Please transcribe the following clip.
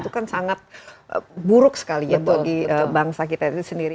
itu kan sangat buruk sekali ya bagi bangsa kita itu sendiri